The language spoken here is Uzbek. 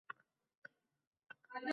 Yaxshi vaksinalar kelgan.